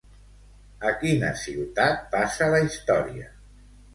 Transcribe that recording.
A quina ciutat passa la història?